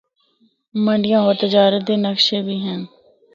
منڈیاں ہور تجارت دے نقشے بھی ہن۔